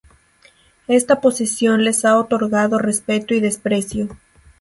Esta posición les ha otorgado respeto y desprecio.